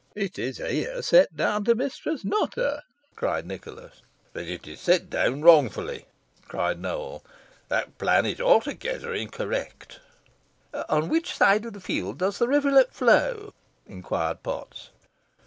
"It is here set down to Mistress Nutter," said Nicholas. "Then it is set down wrongfully," cried Nowell. "That plan is altogether incorrect." "On which side of the field does the rivulet flow?" inquired Potts.